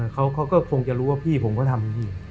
เขาก็คงจะรู้ว่าพี่ผมก็ทำพี่